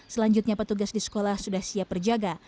selanjutnya petugas di sekolah sudah siap berjaga